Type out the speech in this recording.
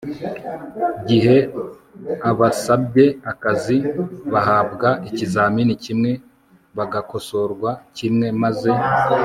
gihe abasabye akazi bahabwa ikizamini kimwe, bagakosorwa kimwe maze